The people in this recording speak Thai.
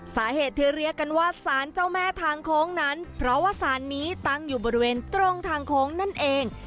สาเหตุที่เรียกกันว่าสารเจ้าแม่ทางโค้งนั้นเพราะว่าสารนี้ตั้งอยู่บริเวณตรงทางโค้งนั่นเอง